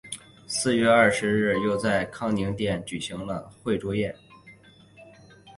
四月二十日又在康宁殿举行了会酌宴。